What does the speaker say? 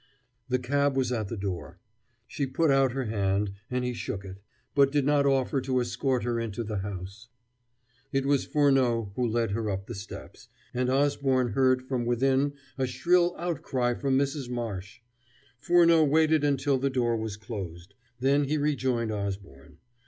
The cab was at the door. She put out her hand, and he shook it; but did not offer to escort her inside the house. It was Furneaux who led her up the steps, and Osborne heard from within a shrill outcry from Mrs. Marsh. Furneaux waited until the door was closed. Then he rejoined Osborne.